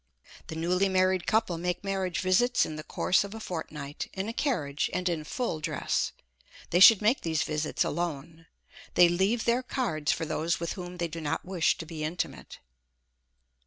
The newly married couple make marriage visits in the course of a fortnight, in a carriage, and in full dress. They should make these visits alone. They leave their cards for those with whom they do not wish to be intimate.